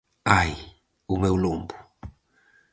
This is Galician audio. Ai, o meu lombo!